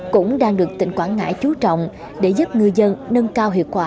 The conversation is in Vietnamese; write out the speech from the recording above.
cũng đang được tỉnh quảng ngãi chú trọng để giúp ngư dân nâng cao hiệu quả